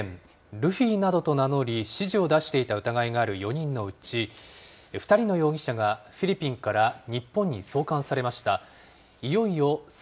ルフィなどと名乗り、指示を出していた疑いがある４人のうち、２人の容疑者がフィリピンから日本に送還されました。